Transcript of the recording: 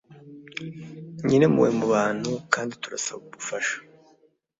nyirimpuhwe mu bantu kandi turasaba ubufasha